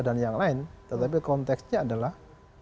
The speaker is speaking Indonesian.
dan yang lain tetapi konteksnya adalah